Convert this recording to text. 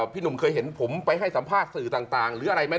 พี่หนุ่มเคยเห็นผมไปให้สัมภาษณ์สื่อต่างหรืออะไรไหม